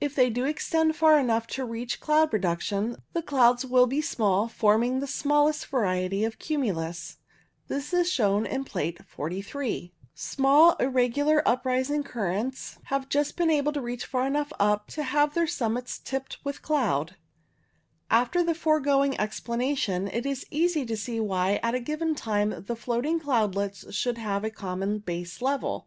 If they do extend far enough to reach cloud production, the clouds will be small, forming the smallest variety of cumulus. This is shown in Plate 43. Small irregular uprising currents have Plate 43. SMALL CUMULUS. {^Cumulus Minor.) Pa^e 94. CLOUD FORMATION 95 just been able to reach far enough up to have their summits tipped with cloud. After the foregoing explanation, it is easy to see why at a given time the floating cloudlets should have a common base level.